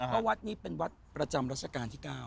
เพราะวัดนี้เป็นวัดประจำรัชกาลที่๙